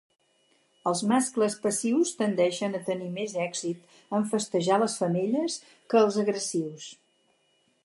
Els mascles passius tendeixen a tenir més èxit en festejar les femelles que els agressius.